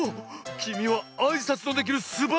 きみはあいさつのできるすばらしいこだ！